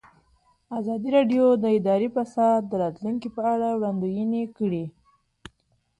ازادي راډیو د اداري فساد د راتلونکې په اړه وړاندوینې کړې.